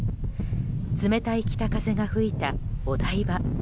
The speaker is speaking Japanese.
冷たい北風が吹いた、お台場。